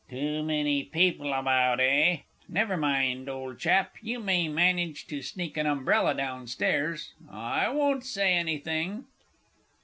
Too many people about, eh? Never mind, old chap, you may manage to sneak an umbrella down stairs I won't say anything!